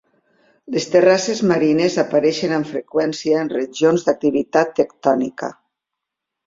Les terrasses marines apareixen amb freqüència en regions d'activitat tectònica.